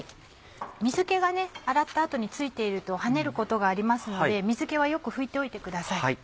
水気が洗った後についていると跳ねることがありますので水気はよく拭いておいてください。